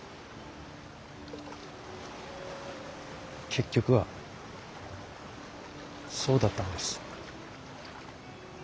結局はそうだったんです。